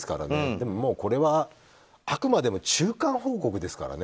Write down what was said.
でも、これはあくまでも中間報告ですからね。